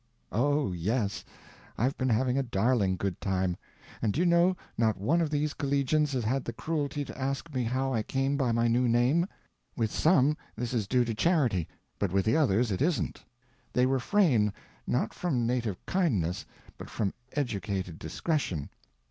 Oh, yes, I've been having a darling good time. And do you know, not one of these collegians has had the cruelty to ask me how I came by my new name. With some, this is due to charity, but with the others it isn't. They refrain, not from native kindness but from educated discretion.